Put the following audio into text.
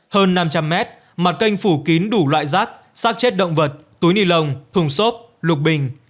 hơn năm trăm linh m mặt kênh phủ kín đủ loại rác sát chết động vật túi nilon thùng xốp lục bình